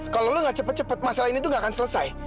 kalau lo gak cepet cepet masalah ini tuh gak akan selesai